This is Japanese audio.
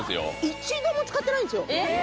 一度も使ってないんですよ